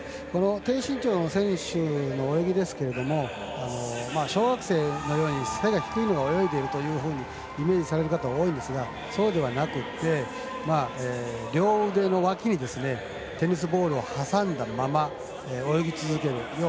低身長の選手の泳ぎですけれども小学生のように背が低いのが泳いでいるというふうにイメージされる方が多いんですがそうではなくて両腕の脇にテニスボールを挟んだまま泳ぎ続ける。